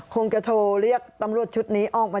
คงจะโทรเรียกตำรวจชุดนี้ออกมา